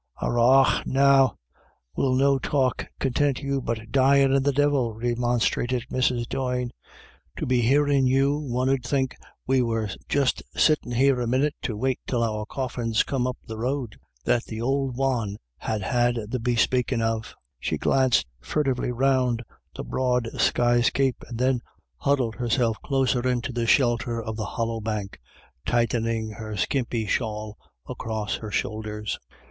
" Arrah now, will no talk contint you but dyin* and the Divil ?" remonstrated Mrs. Doyne. " To be hearin' you one ud' think we were just sittin' here a minit to wait till our coffins come up the road, that the ould wan had had the bespakin' of." She glanced furtively round the broad sky scape, and then huddled herself closer into the shelter of the hollow bank, tightening her skimpy shawl across her shoulders.